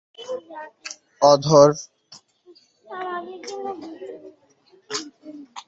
উল্লেখ্য, রুবি নুর এই কেন্দ্র থেকে তিন বার বিধায়ক নির্বাচিত হয়েছিলেন।